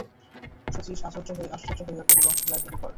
শচীশ আশ্চর্য হইয়া কহিল, লাইব্রেরি-ঘর!